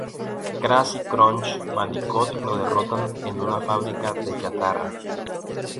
Crash y Crunch Bandicoot lo derrotan en una fábrica de chatarra.